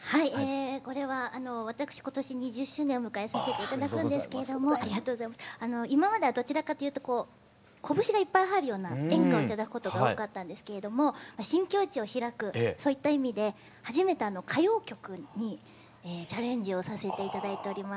これは私今年２０周年を迎えさせて頂くんですけれども今まではどちらかというとこぶしがいっぱい入るような演歌を頂くことが多かったんですけれども新境地を開くそういった意味で初めて歌謡曲にチャレンジをさせて頂いております。